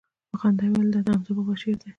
په خندا يې وويل دا هم دحمزه بابا شعر دىه.